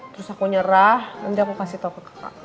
terus aku nyerah nanti aku kasih tau ke kakak